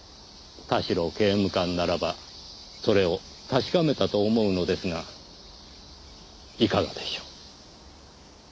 田代刑務官ならばそれを確かめたと思うのですがいかがでしょう？